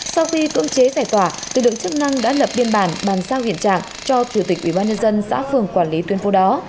sau khi cưỡng chế giải tỏa lực lượng chức năng đã lập biên bản bàn sao hiện trạng cho thủ tịch ubnd xã phường quản lý tuyến phố đó